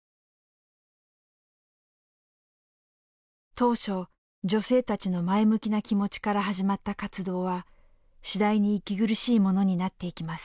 当初女性たちの前向きな気持ちから始まった活動は次第に息苦しいものになっていきます。